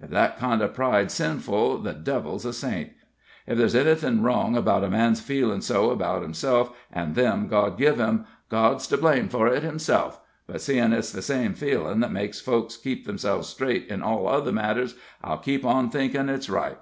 Ef that kind o' pride's sinful, the devil's a saint. Ef there's any thin' wrong about a man's feelin' so about himself and them God give him, God's to blame for it himself; but seein' it's the same feelin' that makes folks keep 'emselves strait in all other matters, I'll keep on thinkin' it's right."